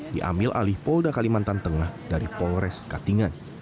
diambil alih polda kalimantan tengah dari polres katingan